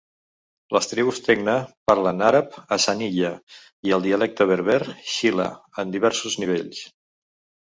Les tribus Tekna parlen àrab Hassaniya i el dialecte berber Shilha en diversos nivells.